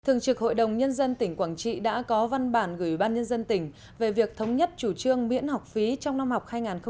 thường trực hội đồng nhân dân tỉnh quảng trị đã có văn bản gửi ban nhân dân tỉnh về việc thống nhất chủ trương miễn học phí trong năm học hai nghìn một mươi sáu hai nghìn một mươi bảy